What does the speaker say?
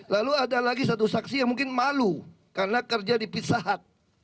lalu ada lagi satu saksi yang mungkin malu karena kerja di pizza hut